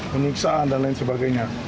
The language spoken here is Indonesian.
peniksaan dan lain sebagainya